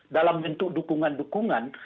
dalam bentuk dukungan dukungan